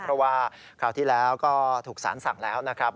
เพราะว่าคราวที่แล้วก็ถูกสารสั่งแล้วนะครับ